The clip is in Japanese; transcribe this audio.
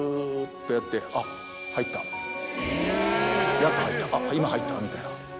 「やっと入った今入った」みたいな。